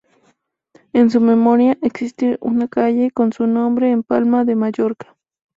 En su memoria, existe una calle con su nombre en Palma de Mallorca.